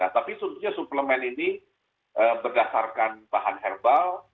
tapi suplemen ini berdasarkan bahan herbal